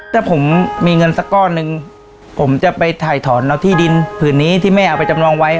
ถ้าผมมีเงินสักก้อนหนึ่งผมจะไปถ่ายถอนเอาที่ดินผืนนี้ที่แม่เอาไปจำนองไว้